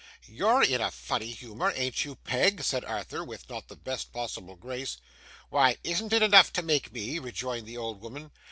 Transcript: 'You're in a funny humour, an't you, Peg?' said Arthur, with not the best possible grace. 'Why, isn't it enough to make me?' rejoined the old woman.